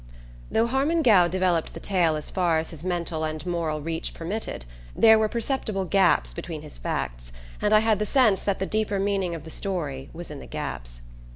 Though Harmon Gow developed the tale as far as his mental and moral reach permitted there were perceptible gaps between his facts, and I had the sense that the deeper meaning of the story was in the gaps.